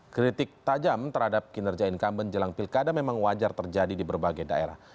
kritik tajam terhadap kinerja incumbent jelang pilkada memang wajar terjadi di berbagai daerah